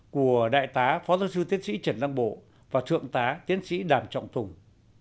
của đại tá phó giáo sư tiến sĩ trần đăng bộ và thượng tá tiến sĩ đàm trọng thùng